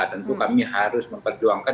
tentu kami harus memperjuangkan